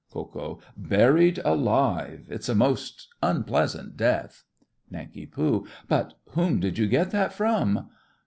KO. Buried alive. It's a most unpleasant death. NANK. But whom did you get that from?